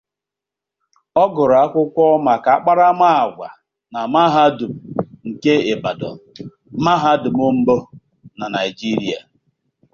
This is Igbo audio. Ọ gụrụ akwụkwọ maka akparamaagwa na Mahadum nke Ibadan, mahadum mbụ na Naịjirịa.